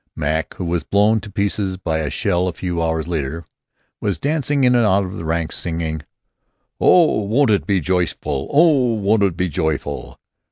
Mac, who was blown to pieces by a shell a few hours later, was dancing in and out of the ranks singing, "Oh! Won't it be joyful! Oh! Won't it be joyful!"